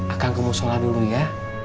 akan kemusola dulu ya